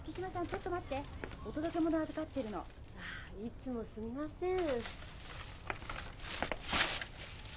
ちょっと待ってお届け物預かってるの・・あっいつもすみません